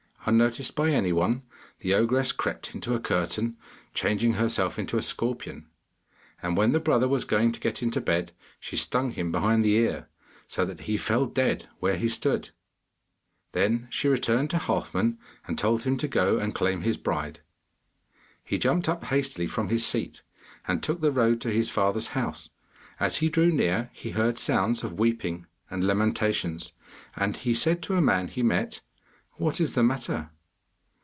Unnoticed by anyone, the ogress crept into a curtain, changing herself into a scorpion, and when the brother was going to get into bed, she stung him behind the ear, so that he fell dead where he stood. Then she returned to Halfman and told him to go and claim his bride. He jumped up hastily from his seat, and took the road to his father's house. As he drew near he heard sounds of weeping and lamentations, and he said to a man he met: 'What is the matter?